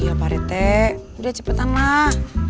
iya pak rete udah cepetanlah